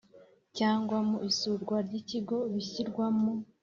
cyangwa mu isurwa ry ikigo bishyirwa mu